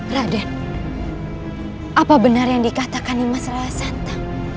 raden apa benar yang dikatakan ini mas rahasanta